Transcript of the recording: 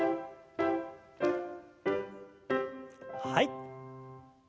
はい。